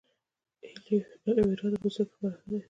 ایلوویرا د پوستکي لپاره ښه ده